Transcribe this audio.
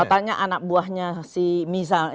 otaknya anak buahnya si misa